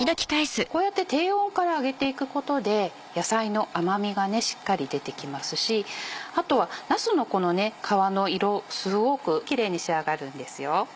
こうやって低温から揚げていくことで野菜の甘みがしっかり出てきますしあとはなすのこの皮の色すごくキレイに仕上がるんですよ。